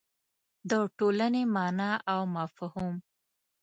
د ټولنې مانا او مفهوم